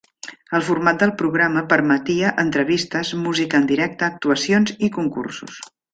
El format del programa permetia entrevistes, música en directe, actuacions i concursos.